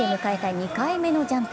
２回目のジャンプ。